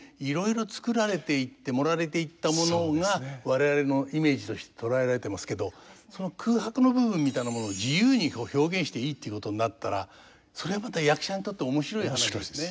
我々のイメージとして捉えられてますけどその空白の部分みたいなものを自由に表現していいっていうことになったらそれはまた役者にとって面白い話ですね。